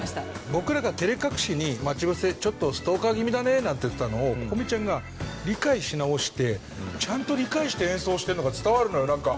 僕らが照れ隠しに『まちぶせ』ちょっとストーカー気味だねなんて言ってたのをＣｏｃｏｍｉちゃんが理解し直してちゃんと理解して演奏してるのが伝わるのよなんか。